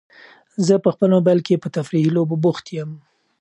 زه په خپل موبایل کې په تفریحي لوبو بوخت یم.